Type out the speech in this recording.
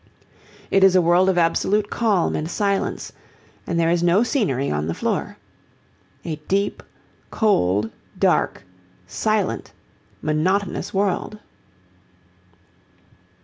It is a world of absolute calm and silence, and there is no scenery on the floor. A deep, cold, dark, silent, monotonous world!